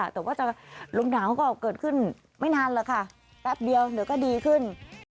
แต่ว่าลมหนาวก็เกิดขึ้นไม่นานหรอกค่ะแป๊บเดียวเดี๋ยวก็ดีขึ้น